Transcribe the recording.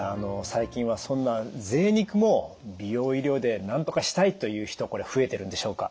最近はそんなぜい肉も美容医療でなんとかしたいという人これ増えてるんでしょうか？